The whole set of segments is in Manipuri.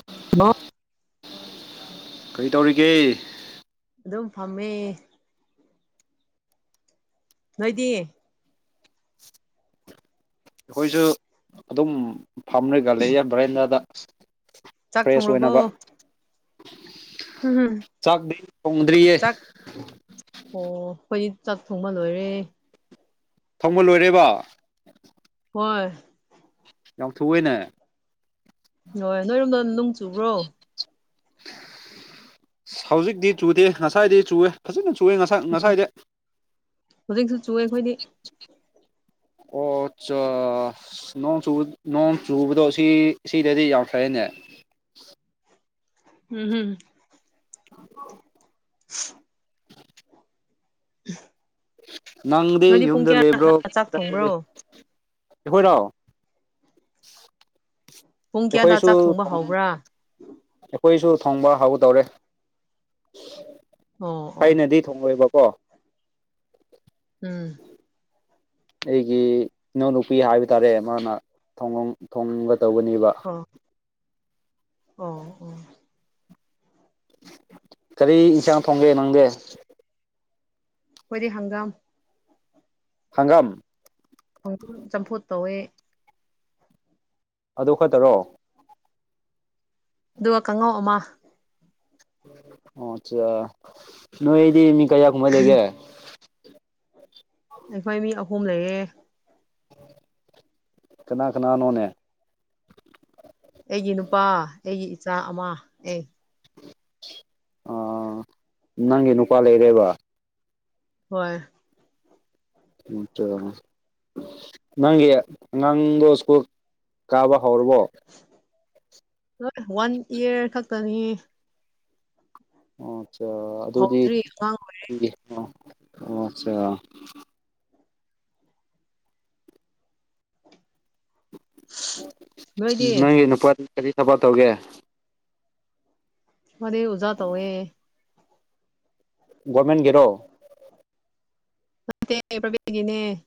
[unintelligible] ꯀꯔꯤ ꯇꯧꯔꯤꯒꯦ ꯑꯗꯨꯝ ꯐꯝꯃꯦ ꯅꯣꯏꯗꯤ ꯑꯩꯈꯣꯏꯁꯨ ꯑꯗꯨꯝ ꯐꯝꯔꯒ ꯂꯩꯌꯦ ꯕꯦꯔꯦꯟꯗꯥꯗ ꯆꯥꯛ ꯐ꯭ꯔꯦꯁ ꯑꯣꯏꯅꯕ ꯊꯣꯡꯔꯕꯣ ꯎꯝ ꯆꯥꯛꯇꯤ ꯊꯣꯡꯗ꯭ꯔꯤꯌꯦ ꯆꯥꯛ ꯑꯣ ꯑꯩꯣꯏꯗꯤ ꯆꯥꯛ ꯊꯣꯡꯕ ꯂꯣꯏꯔꯦ ꯊꯣꯡꯕ ꯂꯣꯏꯔꯦꯕ ꯍꯣꯏ ꯌꯥꯎꯊꯣꯛꯑꯦꯅꯦ ꯍꯣꯏ ꯅꯣꯏꯔꯣꯝꯗ ꯅꯣꯡ ꯆꯨꯕ꯭ꯔꯣ ꯍꯧꯖꯤꯛꯇꯤ ꯆꯨꯗꯦ ꯉꯁꯥꯏꯗꯤ ꯆꯨꯋꯦ ꯐꯖꯅ ꯁꯣꯛꯑꯦ ꯉꯁꯥꯏ ꯎꯝ ꯉꯁꯥꯏꯗ ꯍꯧꯖꯤꯛꯁꯨ ꯆꯨꯑꯦ ꯑꯩꯈꯣꯏꯗꯤ ꯑꯣ ꯑꯆꯥ ꯅꯣꯡ ꯆꯨ ꯅꯣꯡ ꯆꯨꯕꯗꯣ ꯁꯤ ꯁꯤꯗꯗꯤ ꯌꯥꯝ ꯐꯩꯅꯦ ꯎꯝ ꯍꯝ [unintelligible] [unintelligible] [inaudible] ꯅꯪꯗꯤ ꯅꯣꯏꯗꯤ ꯄꯨꯡ ꯌꯨꯝꯗ ꯂꯩꯕ꯭ꯔꯣ ꯀꯌꯥꯗ ꯆꯥꯛ [unintelligible] ꯊꯣꯡꯕ꯭ꯔꯣ ꯑꯩꯈꯣꯏꯔꯣ ꯄꯨꯡ ꯀꯌꯥꯗ ꯑꯩꯈꯣꯏꯁꯨ ꯆꯥꯛ ꯊꯣꯡꯕ ꯍꯧꯕ꯭ꯔꯥ ꯑꯩꯈꯣꯏꯁꯨ ꯊꯣꯡꯕ ꯍꯥꯎꯗꯧꯔꯦ ꯑꯣ ꯑꯣ ꯑꯩꯅꯗꯤ ꯊꯨꯡꯉꯣꯏꯕꯀꯣ ꯎꯝ ꯑꯩꯒꯤ ꯏꯅꯥꯅꯨꯄꯤ ꯍꯥꯏꯕ ꯇꯥꯔꯦ ꯃꯥꯅ ꯊꯣꯡꯅꯤꯡꯒ ꯇꯧꯕꯅꯦꯕ ꯑꯣ ꯑꯣ ꯑꯣ ꯀꯔꯤ ꯏꯟꯁꯥꯡ ꯊꯣꯡꯒꯦ ꯅꯪꯗꯦ ꯑꯣꯏꯣꯏꯗꯤ ꯍꯪꯒꯥꯝ ꯍꯪꯒꯥꯝ ꯈꯣꯡ ꯆꯝꯐꯨꯠ ꯇꯧꯋꯦ ꯑꯗꯨ ꯈꯛꯇꯔꯣ ꯑꯗꯨꯒ ꯀꯥꯡꯉꯧ ꯑꯃ ꯑꯣꯆꯥ ꯅꯣꯏ ꯌꯗꯤ ꯃꯤ ꯀꯩꯌꯥ ꯀ ꯃ ꯂꯩꯒꯦ ꯑꯩꯈꯣꯏ ꯃꯤ ꯑꯍꯨꯝ ꯂꯩꯌꯦꯦ ꯀꯅꯥ ꯀꯅꯥ ꯅꯅꯣꯅꯦ ꯑꯩꯒꯤ ꯅꯨꯄꯥ ꯑꯩꯒꯤ ꯏꯆꯥ ꯑꯃ ꯑꯦ ꯑꯥ ꯅꯪꯒꯤ ꯅꯨꯄꯥ ꯂꯩꯔꯦꯕ ꯍꯣꯏ ꯑꯆꯥ ꯅꯪꯒꯤ ꯑꯉꯥꯡꯗꯣ ꯁ꯭ꯀꯨꯜ ꯀꯥꯕ ꯍꯧꯔꯕꯣ ꯍꯣꯏ ꯋꯥꯟ ꯏꯌꯔ ꯈꯛꯇꯅꯤ ꯑꯣ ꯑꯠꯆꯥ ꯑꯗꯨꯗꯤ ꯍꯧꯗ꯭ꯔꯤ ꯑꯉꯥꯡ ꯑꯣ ꯑꯠꯆꯥ ꯅꯣꯏꯗꯤ ꯅꯪꯒꯤ ꯅꯨꯄꯥꯗꯨ ꯀꯔꯤ ꯊꯕꯥ ꯇꯧꯒꯦ ꯃꯗꯖꯥ ꯇꯧꯦ ꯒꯣꯔꯃꯦꯟꯒꯤꯔꯣ ꯦ ꯄꯕꯦꯒꯤꯅꯦ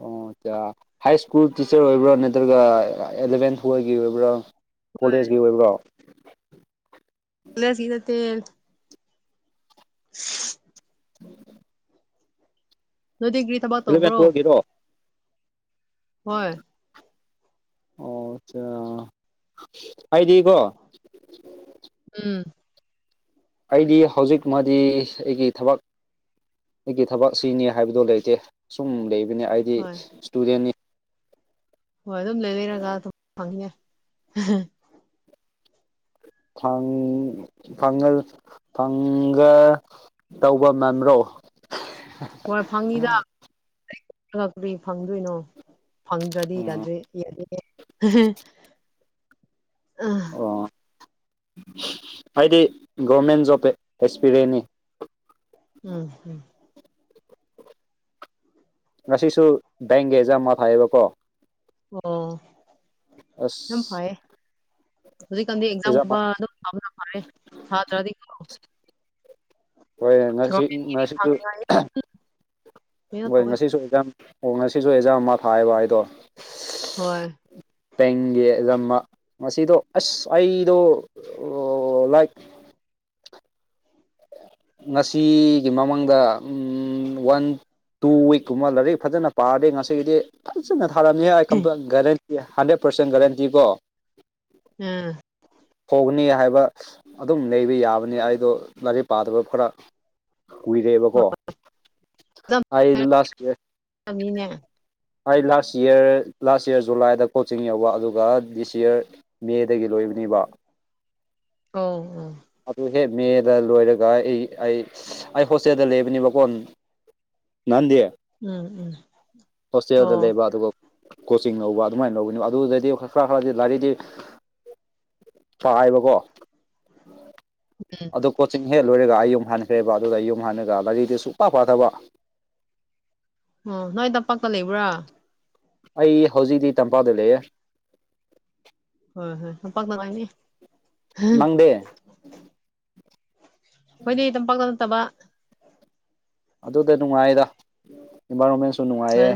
ꯑꯣ ꯑ ꯍꯥꯏ ꯁ꯭ꯀꯨꯜ ꯇꯤꯆꯔ ꯑꯣꯏꯕ꯭ꯔꯥ ꯅꯠꯇ꯭ꯔꯒ ꯑꯦꯂꯚꯦꯟ ꯐꯜꯒꯤ ꯑꯣꯏꯕ꯭ꯔꯥ ꯀꯣꯂꯦꯖꯀꯤ ꯑꯣꯏꯕ꯭ꯔꯣ ꯍꯂ ꯁꯤꯗꯠꯇ ꯍ ꯎꯝ [unintelligible] ꯅꯣꯏꯗꯤ ꯀꯒ꯭ꯔꯤ ꯊꯕꯛ ꯑꯦꯂꯚꯦꯟ ꯇꯧꯕ꯭ꯔꯣ ꯇꯨꯋꯦꯜꯒꯤꯔꯣ ꯍꯣꯏ ꯑꯣ ꯑꯆꯥ ꯍꯥꯏꯗꯤꯀꯣ ꯎꯝ ꯑꯩꯗꯤ ꯍꯧꯖꯤꯛ ꯃꯥꯗꯤ ꯑꯩꯒꯤ ꯊꯕꯛ ꯑꯩꯒꯤ ꯊꯕꯛ ꯁꯤꯅꯤ ꯍꯥꯏꯕꯗꯣ ꯂꯩꯇꯦ ꯁꯨꯝ ꯂꯩꯕꯅꯦ ꯑꯩꯗꯤ ꯍꯣꯏ ꯏꯁꯇꯨꯗꯦꯟꯅꯤ ꯍꯣꯏ ꯑꯗꯨꯝ ꯂꯩ ꯂꯩꯔꯒ ꯑꯗꯨꯝ ꯐꯪꯉꯦ ꯐꯪ ꯐꯪꯒ ꯐꯪꯒ ꯇꯧꯕ ꯃꯥꯟꯕꯔꫭ ꯍꯣꯏ ꯐꯪꯉꯤꯗ ꯀꯔꯤ ꯐꯪꯗꯣꯏꯅꯣ ꯐꯪꯗ꯭ꯔꯗꯤ ꯎꯝ ꯌꯥꯗꯦ ꯌꯥꯗꯦ ꯑ ꯑꯣ ꯍꯥꯏꯗꯤ ꯒꯣꯔꯃꯦꯟ ꯖꯣꯕ ꯑꯦꯛꯁꯄꯤꯔꯤꯌꯦꯟꯅꯤ ꯎꯝꯝ ꯉꯁꯤꯁꯨ ꯕꯦꯡꯒꯦ ꯌꯥꯝ ꯑꯃ ꯊꯥꯏꯌꯦꯕꯀꯣ ꯑꯣ ꯌꯥꯝ ꯑꯁ ꯐꯌꯦ ꯍꯧꯖꯤꯛꯀꯥꯟꯗꯤ ꯑꯦꯛꯖꯥꯝ ꯑꯦꯛꯖꯥꯝꯒꯨꯝꯕ ꯑꯗꯨꯝ ꯊꯅ ꯐꯔꯦ ꯊꯥ ꯗꯔꯥꯗꯤ ꯍꯣꯏ ꯉꯁꯤ ꯁꯣꯔꯣꯛꯇ ꯉꯁꯤꯁꯨ ꯐꯪꯗꯕꯅꯤꯅ ꯍꯣꯏ ꯇꯧꯋꯦ ꯉꯁꯤꯁꯨ ꯑꯦꯛꯖꯥꯝ ꯑꯣ ꯉꯁꯤꯁꯨ ꯑꯦꯖꯥꯝ ꯑꯃ ꯊꯥꯏꯌꯦꯕ ꯑꯧꯗꫭ ꯍꯣꯏ ꯇꯦꯡꯒꯦ ꯌꯥꯝꯃ ꯉꯁꯤꯗꯣ ꯑꯁ ꯑꯩꯗꯣ ꯂꯥꯏꯛ ꯉꯁꯤꯒꯤ ꯃꯃꯥꯡꯗ ꯎ ꯋꯥꯟ ꯇꯨ ꯋꯤꯛꯀꯨꯝꯕ ꯂꯥꯏꯔꯤꯛ ꯐꯖꯅ ꯄꯥꯔꯗꯤ ꯉꯁꯤꯒꯤꯗꯤ ꯐꯖꯅ ꯊꯥꯔꯝꯅꯤ ꯍꯥꯏ ꯒꯥꯔꯦꯟꯇꯤ ꯍꯟꯗ꯭ꯔꯦꯠ ꯄꯥꯔꯁꯦꯟ ꯒꯥꯔꯦꯟꯇꯤꯀꯣ ꯎꯝ ꯍꯣꯒꯅꯤ ꯍꯥꯏꯕ ꯑꯗꯨꯝ ꯂꯩꯕ ꯌꯥꯕꯅꯤ ꯑꯩꯗꯣ ꯂꯥꯏꯔꯤꯛ ꯄꯥꯗꯕ ꯈꯔ ꯀꯨꯏꯔꯦꯕꯀꯣ ꯑꯩ ꯂꯥꯁ‌ꯏꯋꯔ ꯑꯃꯤꯅꯦ ꯑꯩ ꯂꯥꯁ ꯌꯔ ꯂꯥꯁ ꯌꯔ ꯖꯨꯂꯥꯏꯗ ꯀꯣꯆꯤꯡ ꯌꯧꯕ ꯑꯗꯨꯒ ꯗꯤꯁ ꯌꯔ ꯃꯦꯗꯒꯤ ꯂꯣꯏꯕꯅꯦꯕ ꯑꯣ ꯑꯣ ꯑꯗꯨ ꯍꯦꯛ ꯃꯦꯗ ꯂꯣꯏꯔꯒ ꯑꯩ ꯑꯩ ꯑꯩ ꯍꯣꯁꯇꯦꯜꯗ ꯂꯩꯕꯅꯦꯕꯀꯣ ꯅꯗꯤ ꯎꯝ ꯎꯝ ꯍꫭꯁꯇ‌ꯦꯜ ꯑꯣ ꯂꯩꯕ ꯑꯗꯨꯒ ꯀꯣꯆꯤꯡ ꯂꯧꯕ ꯑꯗꯨꯃꯥꯏꯅ ꯂꯧꯕꯒꯅꯦꯕ ꯑꯗꯨꯗꯗꯤ ꯈꯔ ꯈꯔꯗꯤ ꯂꯥꯏꯔꯤꯛꯗꯤ ꯊꯥꯏꯕꯀꯣ ꯑꯗꯨ ꯀꯣꯆꯤꯡ ꯍꯦꯛ ꯂꯣꯏꯔꯒ ꯑꯩ ꯌꯨꯝ ꯍꯥꯟꯈ꯭ꯔꯦꯕ ꯑꯗꯨꯒ ꯌꯨꯝ ꯍꯜꯂꯒ ꯂꯥꯏꯔꯤꯗꯨ ꯁꯨꯡꯄꯥ ꯐꯥꯊꯕ ꯑꯣ ꯅꯣꯏ ꯇꯝꯄꯥꯛꯀ ꯂꯩꯕ꯭ꯔꯥ ꯑꯩ ꯍꯧꯖꯤꯛꯗꯤ ꯇꯝꯄꯥꯛꯗꯨ ꯂꯩꯌꯦꯦ ꯍꯣꯏ ꯍꯣꯏ ꯍ ꯄꯅ ꯂꯅꯤ [unintelligible] ꯅꯪꯗꯤ ꯍꯣꯏꯗꯤ ꯇꯝꯄꯥꯛꯇ ꯅꯠꯇꯕ ꯑꯗꯨꯗ ꯅꯨꯡꯉꯥꯏꯗ ꯏꯟꯚꯥꯏꯔꯣꯟꯃꯦꯟꯁꯨ ꯅꯨꯡꯉꯥꯏꯌꯦ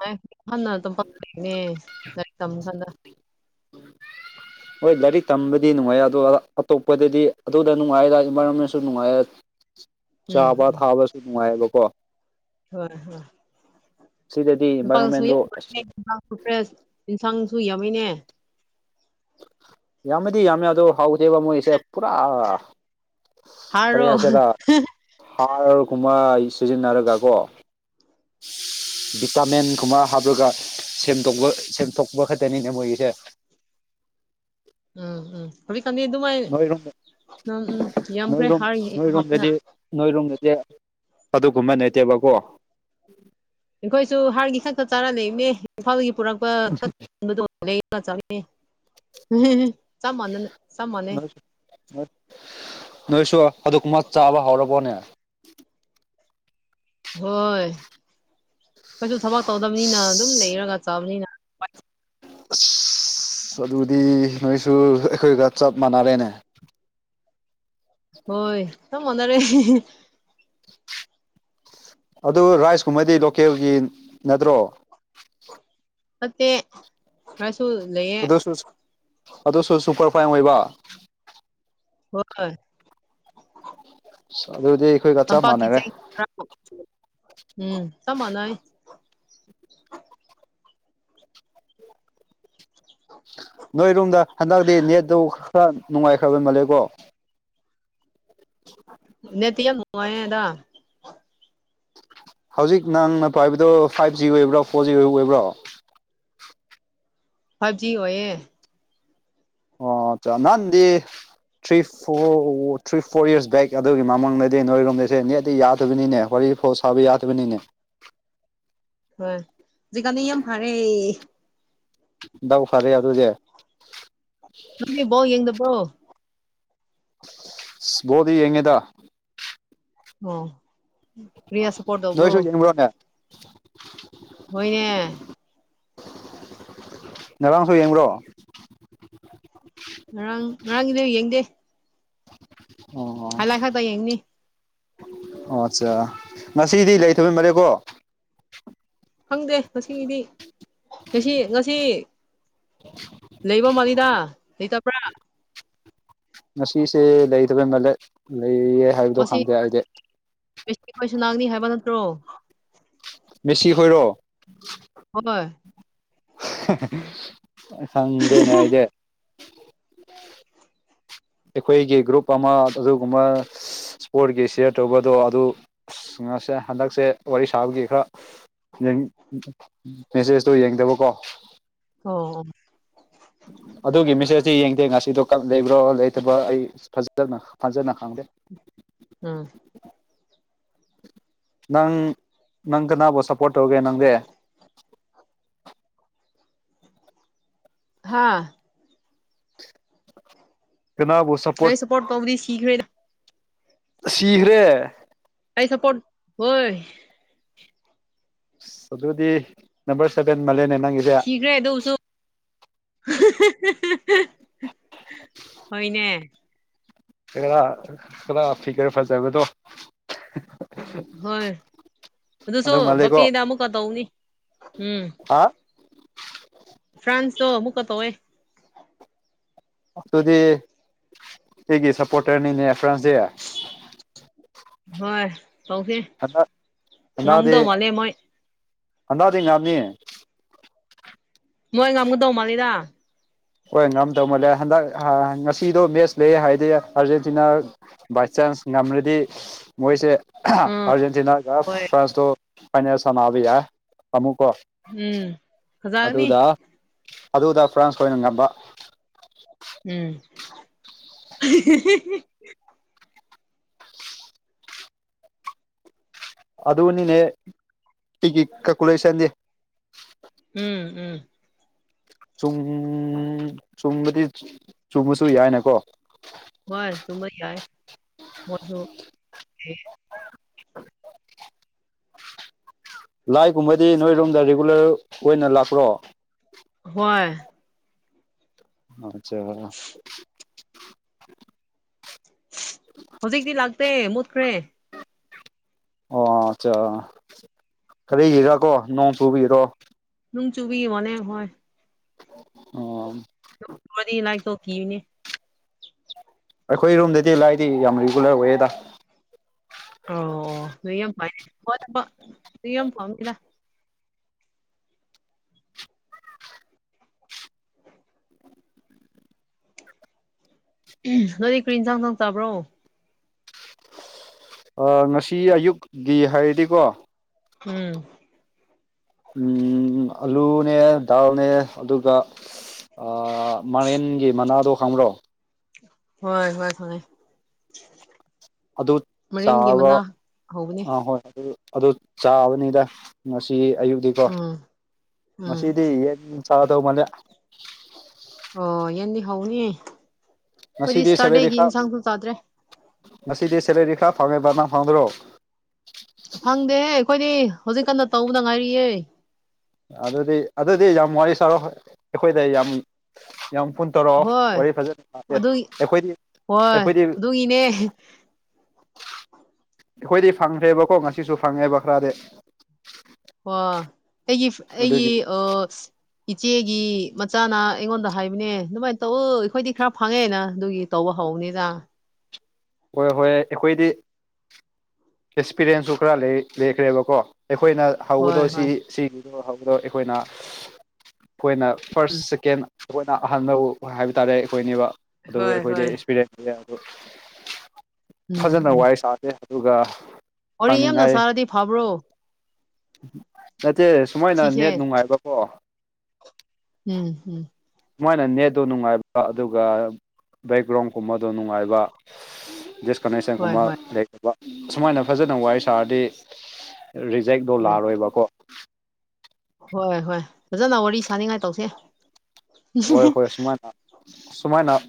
ꯍꫭ ꯍꯟꯅ ꯇꯝꯄꯥꯛꯇ ꯂꯩꯅ‌ꯦ ꯂꯥꯏꯔꯤꯛ ꯇꯝꯃꯤ ꯀꯥꯟꯗ ꯍꯣꯏ ꯂꯥꯏꯔꯤꯛ ꯇꯝꯕꯗꯤ ꯅꯨꯡꯉꯥꯏꯔ ꯑꯗꯨꯒ ꯑꯇꯣꯞꯄꯗꯗꯤ ꯑꯗꯨꯗ ꯅꯨꯡꯉꯥꯏꯔ ꯏꯟꯚꯥꯏꯔꯣꯟꯃꯦꯟꯁꯨ ꯅꯨꯡꯉꯥꯏꯔ ꯎꯝ ꯆꯥꯕ ꯎꯝ ꯊꯥꯕꯁꯨ ꯅꯨꯡꯉꯥꯏꯌꯦꯕꯀꯣ ꯍꯣꯏ ꯍꯣꯏ ꯁꯤꯗꯗꯤ ꯄꯥꯥꯡꯁꯨ ꯏꯟꯚꯥꯏꯔꯣꯟꯃꯦꯟꯗꯣ ꯑꯁ ꯌꯥꯝꯅꯦꯟꯁꯥꯡꯁꯨ ꯐ꯭ꯔꯦ ꯌꯦꯟꯁꯥꯡꯁꯨ ꯌꯥꯝꯃꯩꯅꯦ ꯌꯥꯝꯃꯗꯤ ꯌꯥꯝꯃꯦ ꯑꯗꯣ ꯍꯧꯗꯦꯕ ꯃꯣꯏꯁꯦ ꯄꯨꯔꯥ ꯀꯔꯤ ꯍꯥꯔꯔꯣ ꯍꯥꯏꯁꯤꯦꯔ ꯍꯥꯔꯒꯨꯝꯕ ꯁꯤꯖꯤꯟꯅꯔꯒ ꯀꯣ ꯚꯤꯄꯥꯃ‌ꯦꯟꯒꯨꯝꯕ ꯍꯥꯞꯂꯒ ꯁꯦꯝꯗ ꯁꯦꯝꯗꯣꯛꯄ ꯈꯛꯇꯅꯤꯅꯦ ꯃꯣꯏꯒꯤꯁꯦ ꯎꯝ ꯎꯝ ꯈꯕꯤꯠ ꯈꯪꯕꯤ ꯑꯗꯨꯃꯥꯏꯅ ꯅꯣꯏꯔꯣꯝ ꯅꯪ ꯎꯝ ꯌꯥꯝꯈ꯭ꯔꯦ ꯍꯥꯔꯒꯤ ꯍꯥꯞꯅ ꯅꯣꯏꯔꯨꯝꯗꯗꯤ ꯑꯗꯨꯒꯨꯝꯕ ꯅꯩꯇꯦꯕꯀꯣ ꯑꯩꯈꯣꯏꯁꯨ ꯍꯥꯔꯒꯤ ꯈꯛꯇ ꯆꯥꯔ ꯂꯩꯕꯅꯦ ꯏꯝꯐꯥꯜꯗꯒꯤ ꯄꯨꯔꯛꯄ ꯆ ꯆꯃꯅ ꯆꯝꯃꯅꯦ ꯅꯣꯏꯁꯨ ꯅꯣꯏꯁꯨ ꯑꯗꯨꯕ ꯆꯥꯕ ꯍꯧꯔꯕꯣꯅꯦ ꯍꯣꯏ ꯀꯩꯁꯨ ꯊꯕꯛ ꯇꯧꯗꯕꯅꯤꯅ ꯑꯗꯨꯝ ꯑꯁ ꯂꯩꯔꯒ ꯆꯥꯕꯅꯤꯅ ꯑꯁ ꯑꯗꯨꯗꯤ ꯅꯣꯏꯁꯨ ꯑꯩꯈꯣꯏꯒ ꯆꯞ ꯃꯥꯟꯅꯔꯦꯅꯦ ꯍꯣꯏ ꯌꯥꯝ ꯃꯥꯟꯅꯔꯦ ꯑꯗꯨ ꯔꯥꯏꯁꯀꯨꯝꯕꯗꯤ ꯂꯣꯀꯦꯜꯒꯤ ꯅꯠꯇ꯭ꯔꯣ [unintelligible] [unintelligible] ꯑꯗꯨꯁꯨ ꯑꯗꯨꯁꯨ ꯁꯨꯄꯔ ꯐꯥꯏꯟ ꯑꯣꯏꯕ ꯍꯣꯏ ꯑ ꯑꯗꯨꯗꯤ ꯑꯩꯈꯣꯏꯒ ꯆꯞ ꯇꯝꯄꯥꯛꯀꯤ ꯃꯥꯟꯅꯔꯦ ꯆꯦꯡ ꯎꯝ ꯆꯞ ꯃꯥꯅꯩ ꯅꯣꯏꯔꯣꯝꯗ ꯍꯟꯗꯛꯇꯤ ꯅꯦꯠꯇꯨ ꯈꯔ ꯅꯨꯡꯉꯥꯏꯈ꯭ꯔꯕ ꯃꯥꯜꯂꯦꯀꯣ [inaudible] ꯅꯇꯌꯥ ꯃꯨꯉ ꯑꯦꯗꯥ ꯍꯧꯖꯤꯛ ꯅꯪ ꯅ ꯄ ꯍꯥꯏꯕꯗꯣ ꯐꯥꯏꯚ ꯖꯤ ꯑꯣꯏꯕ꯭ꯔꯣ ꯐꯣꯔ ꯖꯤ ꯑꯣꯏꯕ ꯑꯣꯏꯕ꯭ꯔꯣ ꯐꯥꯏꯚ ꯖꯤ ꯑꯣꯏꯌꯦ ꯑꯣ ꯆ ꯅꯥꯟꯗꯤ three four three four years back ꯑꯗꯨꯒꯤ ꯃꯃꯥꯡꯗꯗꯤ ꯅꯣꯏꯔꯣꯝꯗꯁꯦ ꯅꯗꯤ ꯌꯥꯗꯣꯏꯕꯅꯤꯅꯦ ꯋꯥꯔꯤ ꯐꯥꯎ [unintelligible] ꯌꯥꯗꯕꯅꯤꯅꯦ ꯍꯣꯏꯖꯤꯀꯥꯟꯅꯤ ꯌꯥꯝ ꯐꯥꯔꯦ ꯗꯥꯎ ꯐꯔꯦ ꯑꯗꯨꯗꯤ ꯅꯪꯗꯤ ꯕꫭꯜ ꯌꯦꯡꯗꯕꯔꫭ ꯣꯗꯤ ꯌꯦꯉꯗ ꯑꯣ ꯄ꯭ꯔꯤꯌꯥ ꯁꯄꯣꯔꯠ ꯇꯧꯕꯧꯕ꯭ꯔꯣ [unintelligible] ꯍꯣꯏꯅꯦ ꯉꯔꯥꯡꯁꯨ ꯌꯦꯡꯕ꯭ꯔꯣ ꯉꯔꯥꯡ ꯉꯔꯥꯡꯒꯤ ꯅ ꯌꯦꯡꯗꯦ ꯑꯣ ꯍꯣ ꯍꯥꯏꯂꯥꯏꯠ ꯈꯛꯇ ꯌꯦꯡꯅꯤ ꯑꯣ ꯑꯠꯆꯥ ꯉꯁꯤꯗꯤ ꯂꯩꯇꯕꯩ ꯃꯔꯦꯀꯣ ꯈꯪꯗꯦ ꯉꯁꯤꯒꯤꯗꯤ ꯉꯁꯤ ꯉꯁꯤ ꯂꯩꯕꯣ ꯃꯥꯂꯤꯗ ꯂꯩꯇꯕ꯭ꯔꯥ ꯉꯁꯦ ꯂꯩꯗꯕꯩ ꯃꯂꯦ ꯂꯩꯌꯦ ꯍꯥꯏꯕꯗꯣ ꯈꯪꯗꯦ ꯑꯩꯗꯤ ꯑꯩꯈꯣꯏ ꯁꯅꯥꯛꯅꯤ ꯍꯥꯏꯕ ꯅꯠꯇ꯭ꯔꯣ ꯃꯦꯁꯤ ꯍꯣꯏꯔꯣ ꯍꯣꯏ ꯁꯪꯗꯦꯅꯦ ꯑꯩꯗꯤ ꯑꯩꯈꯣꯏꯒꯤ ꯒ꯭ꯔꯨꯞ ꯑꯃ ꯑꯗꯨꯒꯨꯝꯕ ꯏꯁꯄꯣꯔꯠꯀꯤ ꯁꯤꯌꯔ ꯇꯧꯕꯗꯣ ꯑꯗꯨꯁꯦ ꯍꯟꯗꯛꯁꯦ ꯋꯥꯔꯤ ꯁꯥꯕꯒꯤ ꯈꯔ ꯃꯦꯁꯦꯖꯇꯣ ꯌꯦꯡꯗꯕꯀꯣ ꯑꯣꯝ ꯑꯗꯨꯒꯤ ꯃꯦꯁꯦꯁꯇꯤ ꯌꯦꯡꯗꯦ ꯉꯁꯤꯗꯣ ꯀꯞ ꯂꯩꯕ꯭ꯔꯣ ꯂꯩꯇꯕ ꯑꯩ ꯐꯖꯥꯅ ꯐꯖꯥꯅ ꯈꯪꯗꯦ ꯑꯥ ꯅꯪ ꯅꯪ ꯀꯅꯥꯕꯨ ꯁꯞꯄꯣꯔꯠ ꯇꯧꯒꯦ ꯅꯪꯗꯦ ꯍꯥꯥ ꯀꯅꯥꯕꯨ ꯁꯄꯣꯔꯠ ꯄꯣꯔ ꯇꯕꯗꯤ ꯁꯤꯈꯔꯦꯗ ꯁꯤꯈ꯭ꯔꯦ ꯑꯩ ꯁꯄꯣꯔꯠ ꯍꯣꯏ ꯑꯗꯨꯗꯤ ꯅꯝꯕꯔ ꯁꯕꯦꯟ ꯃꯂꯦꯅꯦ ꯅꯪꯒꯤ ꯊꯤꯈ꯭ꯔꯦ ꯑꯗꯨꯁꯨ ꯍꯣꯏꯅꯦ ꯈꯔꯥ ꯐꯤꯒꯔ ꯐꯖꯕꯗꯣ ꯍꯣꯏ ꯑꯗꯨꯁꯨ ꯑꯗꯨ ꯃꯥꯜꯂꯦꯀꯣ ꯕꯄꯦꯅ ꯑꯃꯨꯛꯀ ꯇꯧꯅꯤ ꯎꯝ ꯍꯥ ꯐ꯭ꯔꯥꯟꯁ ꯇꯣ ꯃꯨꯀ ꯇꯧꯋꯦ ꯑꯗꯨꯗꯤ ꯑꯩꯒꯤ ꯁꯞꯄꯣꯔꯇꯔꯅꯤꯅꯦ ꯐ꯭ꯔꯥꯟꯁꯗꯦ ꯍꯣꯏ ꯇꯧꯁꯦ ꯍꯟꯗꯛ ꯉꯝꯗꯧ ꯃꯥꯜꯂꯦ ꯃꯣꯏ ꯍꯪꯒꯔꯥꯗꯩ ꯉꯥꯃꯤ ꯃꯣꯏ ꯉꯥꯡ ꯒꯗꯧ ꯃꯥꯜꯂꯤꯗ ꯍꯣꯏ ꯉꯝꯗꯧꯃꯜꯂꯦ ꯍꯟꯗꯛ ꯑ ꯉꯁꯤꯗꯣ ꯃꯦꯠꯆ ꯂꯩꯌꯦ ꯍꯥꯏꯗꯦ ꯑꯥꯔꯖꯦꯟꯇꯤꯅꯥ ꯕꯥꯏ ꯆꯥꯟꯁ ꯉꯝꯂꯗꯤ ꯃꯣꯏꯁꯦ ꯑꯍ ꯎꯝ ꯑꯔꯖꯦꯟꯇꯤꯅꯥꯒ ꯍꯣꯏ ꯐ꯭ꯔꯥꯟꯁꯇꯣ ꯐꯥꯏꯅꯦꯜ ꯁꯥꯟꯅꯕ ꯌꯥ ꯑꯃꯨꯛꯀꯣ ꯎꯝ ꯐꯖꯒꯅꯤ ꯑꯗꯨꯗ ꯑꯗꯨꯗ ꯐ꯭ꯔꯥꯟꯁ ꯑꯣꯏꯅ ꯉꯝꯕ ꯎꯝ [unintelligible] ꯑꯗꯨꯗꯅꯤꯅꯦ ꯇꯤꯒꯤ ꯏ ꯀ ꯀꯨꯂꯁꯗꯦ ꯎꯝ ꯎꯝ ꯆꯨꯝ ꯆꯨꯝꯕꯗꯤ ꯆꯨꯝꯕꯁꯨ ꯌꯥꯏꯅꯀꯣ ꯃꯥꯅ ꯇꯨꯝꯕ ꯌꯥꯏ ꯃꯣꯗꯔꯨ ꯑꯦ [unintelligible] ꯂꯥꯏꯒꯨꯝꯕꯗꯤ ꯅꯣꯏꯔꯨꯝꯗ ꯔꯤꯒꯨꯂꯔ ꯑꯣꯏꯅ ꯂꯥꯛꯄ꯭ꯔꯣ ꯍꯣꯏ ꯑꯆꯥ ꯍꯧꯖꯤꯛꯇꯤ ꯂꯥꯛꯇꯦ ꯃꯨꯠꯈ꯭ꯔꯦ ꯑꯣ ꯑꯆꯥ ꯈꯔꯤ ꯌꯦꯔ ꯀꯣ ꯅꯣꯡ ꯄꯨꯨꯕꯤꯔꯣ ꯅꯨꯡ ꯆꯨꯕꯤꯌꯣꯅꯦ ꯍꯣꯏ ꯑꯣꯝ ꯗꯣ ꯋꯥꯔꯤ ꯅꯥꯏꯇꯣ ꯀꯤꯕꯅꯤ ꯑꯩꯈꯣꯏ ꯔꯨꯝꯗꯗꯤ ꯂꯥꯏꯗꯤ ꯌꯥꯝ ꯔꯤꯒꯨꯂꯔ ꯑꯣꯏꯌꯦꯗ ꯑꯔꯑꯣ ꯅꯣꯏ ꯌꯥꯝ ꯄꯥꯏ ꯅꯅ ꯐꯣꯟ ꯅꯝꯕ ꯔꯤꯌ ꯐꯧꯅꯤꯅ ꯎꯝ ꯅꯣꯏ ꯀꯔꯤ ꯏꯟꯁꯥꯡ ꯅꯣꯡ ꯆꯥꯕ꯭ꯔꯣ ꯑ ꯉꯁꯤ ꯑꯌꯨꯛꯒꯤ ꯍꯥꯏꯔꯗꯤꯒꯣ ꯎꯝ ꯎꯝ ꯑꯂꯨꯅꯦ ꯗꯥꯜꯅꯦ ꯑꯗꯨꯒ ꯑꯥ ꯃꯪꯂꯦꯝꯒꯤ ꯃꯅꯥꯗꯣ ꯈꯪꯕ꯭ꯔꯣ ꯍꯣꯏ ꯍꯣꯏ ꯈꯪꯉ ꯑꯗꯨ ꯑꯗꯨ ꯆꯕ ꯍꯧꯕꯅꯦ ꯑ ꯍꯣꯏ ꯑꯗꯨ ꯆꯥꯕꯅꯤꯗ ꯉꯁꯤ ꯑꯌꯨꯛꯗꯤꯀꯣ ꯎꯝ ꯎꯝ ꯉꯁꯤ ꯑꯌꯦꯛꯗꯤꯀꯣ ꯉꯁꯤꯗꯤ ꯎꯝ ꯌꯦꯟ ꯆꯗꯧ ꯃꯅꯦ ꯑꯣ ꯌꯦꯟꯗꯤ ꯍꯧꯒꯅꯤ ꯑꯈꯣꯏꯗꯤ ꯉꯁꯤꯗꯤ ꯁꯦꯂꯔꯤ ꯁꯇꯔꯗꯦꯒꯤ ꯈꯔ ꯏꯟꯁꯥꯡꯁꯨ ꯆꯥꯗ꯭ꯔꯦ ꯉꯁꯤꯗꯤ ꯁꯦꯂꯔꯤꯈꯥ ꯐꯪꯉꯦꯕ ꯅꯪ ꯐꯪꯗꯔꯣ ꯐꯪꯗꯦꯍꯦ ꯑꯩꯈꯣꯏꯗꯤ ꯍꯧꯖꯤꯛ ꯀꯟꯅ ꯇꯧꯕꯗ ꯉꯥꯏꯔꯤꯌꯦ ꯑꯗꯨꯗꯤ ꯑꯗꯨꯗꯤ ꯌꯥꯝ ꯋꯥꯔꯤ ꯁꯥꯔꯣ ꯑꯩꯈꯣꯏꯗ ꯌꯥꯝ ꯌꯥꯝ ꯀꯨꯟ ꯇꯧꯔꯛꯑꯣ ꯍꯣꯏ ꯋꯥꯔꯤ ꯐꯖꯅꯦ ꯑꯗꯨꯒꯤ ꯑꯩꯈꯣꯏꯗꯤ ꯍꯣꯏ ꯑꯩꯈꯣꯏꯗꯤ ꯑꯗꯨꯒꯤꯅꯦ ꯑꯩꯈꯣꯏꯗꯤ ꯐꯪꯗ꯭ꯔꯦꯕꯀꯣ ꯉꯁꯤꯁꯨ ꯐꯪꯉꯦꯕ ꯈꯔꯗꯤ ꯋꯥ ꯑꯩꯒꯤꯞꯐ ꯑꯩꯒꯤ ꯑꯗꯨꯒꯤ ꯑ ꯏꯆꯦꯒꯤ ꯃꯆꯥꯅ ꯑꯩꯉꯣꯟꯗ ꯍꯥꯏꯕꯅꯦ ꯑꯗꯨꯃꯥꯏꯟ ꯇꯧꯋꯣ ꯑꯩꯈꯣꯏꯗꯤ ꯈꯔ ꯐꯪꯉꯦꯅ ꯑꯗꯨꯒꯤ ꯇꯧꯕ ꯍꯧꯕꯅꯤꯗ ꯍꯣꯏ ꯍꯣꯏ ꯑꯩꯈꯣꯏꯗꯤ ꯑꯦꯛꯁꯄꯤꯔꯌꯦꯟꯁꯇꯣ ꯈꯔ ꯂꯩꯌꯦ ꯂꯩꯈ꯭ꯔꯦꯕꯀꯣ ꯑꯩꯈꯣꯏꯅ ꯍꯣꯏ ꯍꯧꯕꯗꯣ ꯁꯤ ꯍꯣꯏ ꯁꯤꯒꯤꯗꯣ ꯍꯧꯕꯗꯣ ꯑꯩꯈꯣꯏꯅ ꯑꯩꯈꯣꯏꯅ ꯐꯥꯔꯁ ꯎꯝ ꯁꯤꯀꯦꯟ ꯑꯈꯣꯏꯅ ꯑꯍꯥꯟꯕꯎ ꯍꯥꯏꯕ ꯇꯥꯔꯦ ꯑꯩꯈꯣꯏꯅꯦꯕ ꯑꯗꯨ ꯍꯣꯏ ꯑꯩꯈꯣꯏꯗꯤ ꯍꯣꯏ ꯑꯦꯛꯁꯄꯤꯔꯦꯟꯁ ꯀꯩꯀꯥꯗꯣ ꯎꯝ ꯐꯖꯅ ꯎꯝ ꯋꯥꯔꯤ ꯁꯥꯁꯦ ꯑꯗꯨꯒ ꯋꯥꯔꯤ ꯌꯥꯝꯅ ꯐꯪꯅꯤꯡꯉꯥꯏ ꯁꯥꯔꯗꯤ ꯐꯥꯕ꯭ꯔꯣ ꯅꯠꯇꯦ ꯁꯨꯃꯥꯏꯅ ꯅꯦꯠ ꯁꯤꯁꯦ ꯅꯨꯡꯉꯥꯏꯕꯀꯣ ꯎꯝ ꯍꯝ ꯃꯣꯏꯅ ꯅꯦꯠꯇꯣ ꯅꯨꯡꯉꯥꯏꯕ ꯑꯗꯨꯒ ꯕꯦꯛꯒ꯭ꯔꯥꯎꯟ ꯀꯨꯝꯕꯗꯣ ꯅꯨꯡꯉꯥꯏꯕ ꯍꯣꯏ ꯗꯤꯁꯀꯅꯦꯛꯁꯟꯀꯨꯝꯃ ꯍꯣꯏ ꯂꯩꯕ ꯁꯨꯃꯥꯏꯅ ꯐꯖꯅ ꯋꯥꯔꯤ ꯁꯥꯔꯗꯤ ꯔꯤꯖꯦꯛꯗꯣ ꯍꯣꯏ ꯂꯥꯑꯔꯣꯏꯕꯀꯣ ꯍꯣꯏ ꯍꯣꯏ ꯐꯖꯅ ꯋꯥꯔꯤ ꯁꯥꯅꯤꯡꯉꯥꯏ ꯇꯧꯁꯦ ꯍꯣꯏ ꯍꯣꯏ ꯁꯨꯃꯥꯏꯅ ꯁꯨꯃꯥꯏꯅ